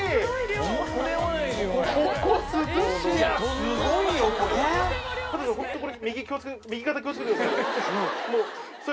すごいよこれ！